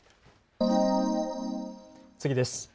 次です。